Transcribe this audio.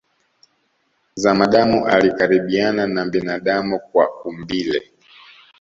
Zamadamu alikaribiana na binadamu kwa umbile